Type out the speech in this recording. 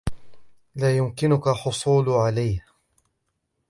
لا یمکنک حصول علیه.